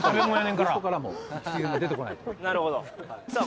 なるほどさあ